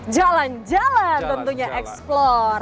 jalan jalan tentunya explore